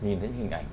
nhìn thấy hình ảnh